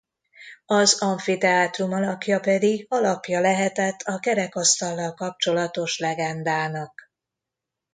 Az amfiteátrum alakja pedig alapja lehetett a kerekasztallal kapcsolatos legendának.